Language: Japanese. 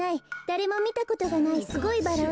「だれもみたことないすごいバラ！」